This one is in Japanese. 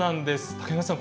竹浪さん